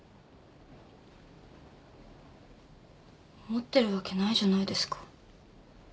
思ってるわけないじゃないですか。